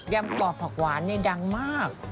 ยำปลอบผักหวานนี่ดังมาก